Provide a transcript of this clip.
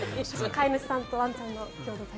飼い主さんとワンちゃんの。